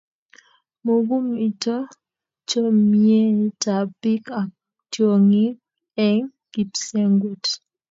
Mukumito chomyietab biik ak tyong'ik eng' kipsengwet